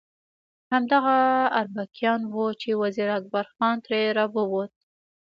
همدغه اربکیان وو چې وزیر اکبر خان ترې راووت.